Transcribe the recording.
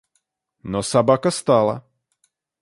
Но собака стала.